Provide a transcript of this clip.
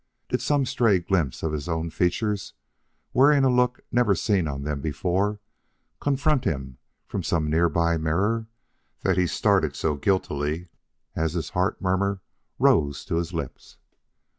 Did some stray glimpse of his own features, wearing a look never seen on them before, confront him from some near by mirror that he started so guiltily as this heart murmur rose to his lips?